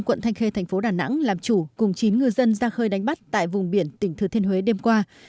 quận thanh khê tp đà nẵng làm chủ cùng chín ngư dân ra khơi đánh bắt tại vùng biển tỉnh thứ thiên huế đêm qua